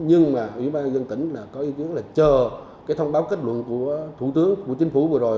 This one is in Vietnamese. nhưng mà ủy ban dân tỉnh là có ý kiến là chờ cái thông báo kết luận của thủ tướng của chính phủ vừa rồi